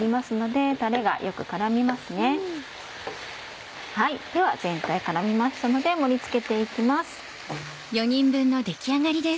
では全体絡みましたので盛り付けて行きます。